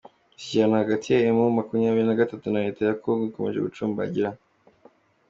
Imishyikirano hagati ya emu makumyabiri nagatatu na Leta ya kongo ikomeje gucumbagira